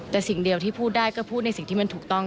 แต่สิ่งเดียวที่พูดได้ก็พูดในสิ่งที่มันถูกต้อง